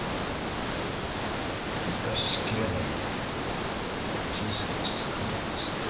生かしきれない人生の定めなんです。